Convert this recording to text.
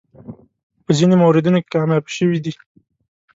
په ځینو موردونو کې کامیاب شوی دی.